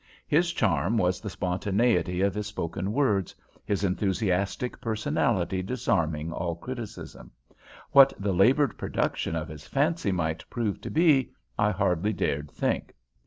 His charm was the spontaneity of his spoken words, his enthusiastic personality disarming all criticism; what the labored productions of his fancy might prove to be, I hardly dared think.